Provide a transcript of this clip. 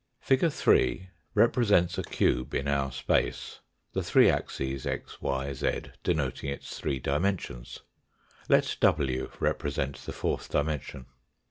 Fig. 3 represents a cube in our space, the three axes x, y, z denoting its three dimensions. Let w represent the fourth dimension.